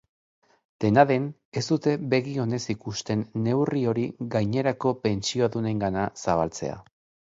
Dena den, ez dute begi onez ikusten neurri hori gainerako pentsiodunengana zabaltzea.